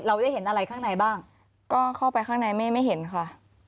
ได้เห็นอะไรข้างในบ้างก็เข้าไปข้างในไม่เห็นค่ะ